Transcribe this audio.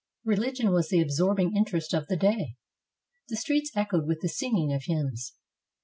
Religion was the absorbing interest of the day. The streets echoed with the singing of hymns.